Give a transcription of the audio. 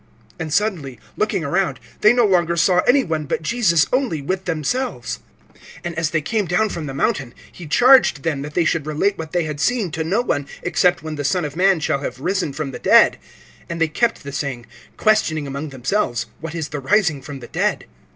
(8)And suddenly, looking around, they no longer saw any one, but Jesus only with themselves. (9)And as they came down from the mountain, he charged them that they should relate what they had seen to no one, except when the Son of man shall have risen from the dead. (10)And they kept the saying, questioning among themselves, what is the rising from the dead.